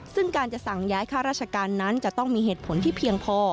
ซึ่งการจะสั่งย้ายค่าราชการนั้นจะต้องมีเหตุผลที่เพียงพอ